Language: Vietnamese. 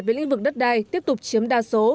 về lĩnh vực đất đai tiếp tục chiếm đa số